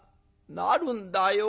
「なるんだよ。